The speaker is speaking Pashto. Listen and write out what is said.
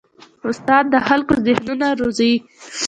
استاد د خلکو ذهنونه روزي.